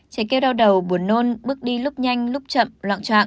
trẻ kêu đau đầu buồn nôn bước đi lúc nhanh lúc chậm loạn trạng